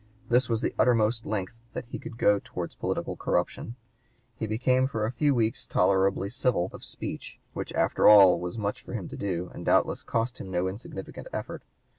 This was the uttermost length that he could go towards political corruption. He became for a few weeks tolerably civil of speech, which after all was much for him to do and doubtless cost him no insignificant effort.